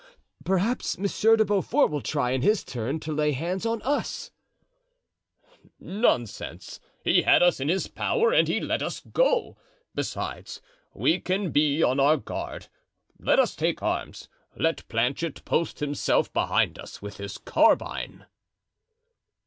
"Perhaps Monsieur de Beaufort will try, in his turn, to lay hands on us." "Nonsense! He had us in his power and he let us go. Besides we can be on our guard; let us take arms, let Planchet post himself behind us with his carbine."